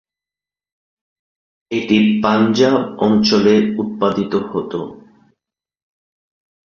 এটি পাঞ্জাব অঞ্চলে উৎপাদিত হত।